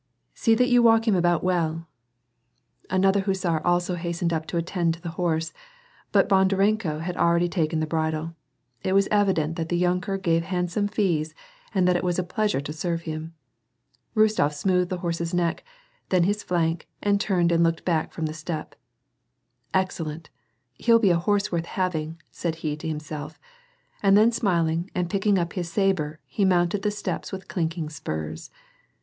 "See that you walk him about well." Another hussar also hastened up to attend to the horse, but Bondarenko had already taken the bridle. It was evident that the yunker gave handsome fees and that it was a pleasure to serve him. Rostof smoothed the horse's neck, then his flank, and turned and looked back from the step. "Excellent ! He^ll be a horse worth having !" said he to himself, and then smiling and picking up his sabre he mounted the steps with clinking spurs.